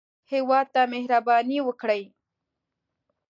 هېواد ته مهرباني وکړئ